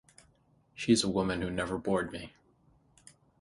She is a woman who never bored me.